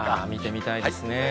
見てみたいですね。